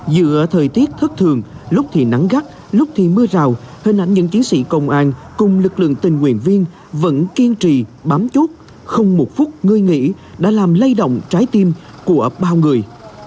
giữa thời tiết thất thường lúc thì nắng gắt lúc thì mưa rào hình ảnh những chiến sĩ công an cùng lực lượng tình nguyện viên vẫn kiên trì bám chốt không một phút ngơi nghỉ đã làm lây động trái tim của bao người